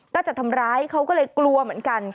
จะทำร้ายเขาก็เลยกลัวเหมือนกัน